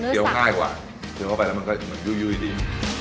โดดเข้าไปแล้วมันจะเรื่อยดี